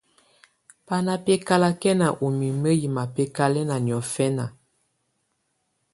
Bá ná bɛ́kálakɛná ú mimǝ́ yɛ́ mabɛkalɛna niɔ́fɛna.